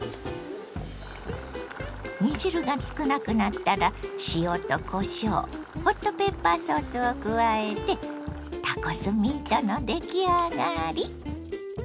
煮汁が少なくなったら塩とこしょうホットペッパーソースを加えてタコスミートの出来上がり。